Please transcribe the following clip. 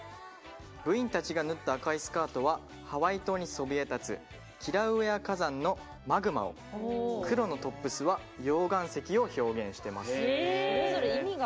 部員たちが縫った赤いスカートはハワイ島にそびえ立つキラウエア火山のマグマを黒のトップスは溶岩石を表現してます。